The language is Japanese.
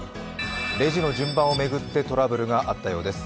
レジの順番を巡ってトラブルがあったようです。